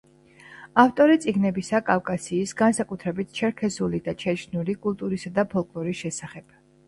ავტორი წიგნებისა კავკასიის, განსაკუთრებით ჩერქეზული და ჩეჩნური, კულტურისა და ფოლკლორის შესახებ.